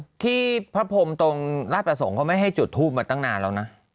ที่พระพรมตรงราชประสงค์เขาไม่ให้จุดทูปมาตั้งนานแล้วนะ